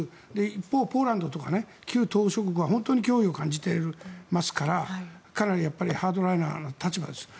一方、ポーランドとか旧東欧諸国は本当に脅威を感じていますからかなりハードライナーの立場です。